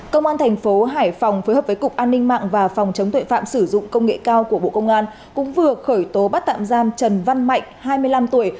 công an thành phố hải phòng phối hợp với cục an ninh mạng và phòng chống tuệ phạm sử dụng công nghệ cao của bộ công an cũng vừa khởi tố bắt tạm giam trần văn mạnh hai mươi năm tuổi